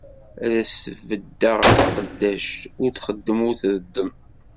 Ad as-sbeddeɣ taqeddact, ur txeddem ur treddem.